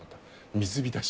水浸し。